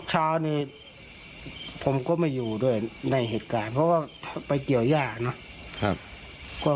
เช้านี้ผมก็ไม่อยู่ด้วยในเหตุการณ์เพราะว่าไปเกี่ยวย่าเนอะ